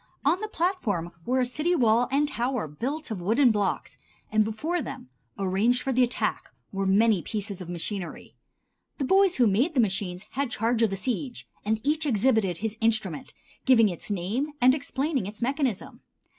On the platform were a city wall and tower built of wooden blocks, and before them, arranged for the attack, were many pieces of machinery. The boys who made the machines had charge of the siege, and each exhibited his instrument, giving its name and explaining its mechanism.